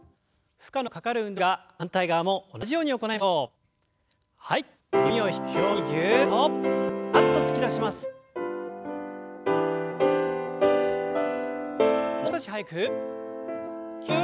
負荷のかかる運動ですが反対側も同じように行いましょう。